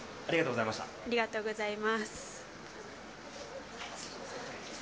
ありがとうございます。